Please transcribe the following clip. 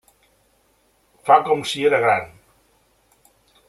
Fa com si era gran.